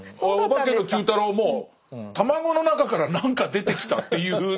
「オバケのＱ太郎」も卵の中から何か出てきたっていう。